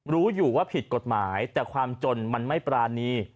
รู้อยู่ว่าผิดกฎหมายแต่ความจนมันไม่ปรานี